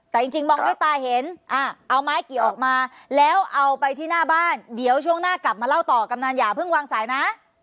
แต่จริงมองด้วยตาเห็นเอาไม้เกี่ยวออกมาแล้วเอาไปที่หน้าบ้านเดี๋ยวช่วงหน้ากลับมาเล่าต่อกำนันอย่าเพิ่งวางสายนะ